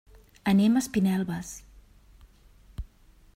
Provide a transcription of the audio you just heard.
Anem a Espinelves.